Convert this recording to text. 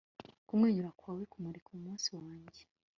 kumwenyura kwawe kumurikira umunsi wanjye